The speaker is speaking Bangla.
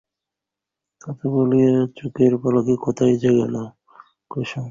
তিনি তার পিতার কাছে তাঁর ক্রিয়াকলাপ দ্বারা শিক্ষিত হয়েছিলেন।